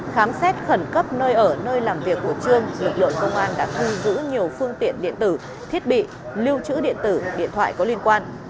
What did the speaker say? khám xét khẩn cấp nơi ở nơi làm việc của trương lực lượng công an đã thu giữ nhiều phương tiện điện tử thiết bị lưu trữ điện tử điện thoại có liên quan